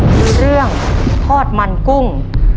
คือเรื่องทอดมันกุ้ง